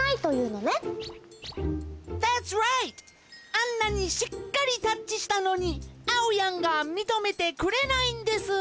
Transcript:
あんなにしっかりタッチしたのにあおやんがみとめてくれないんです。